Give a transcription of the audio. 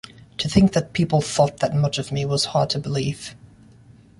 To think that people thought that much of me was hard to believe.